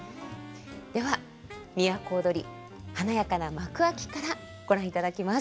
では「都をどり」華やかな幕開きからご覧いただきます。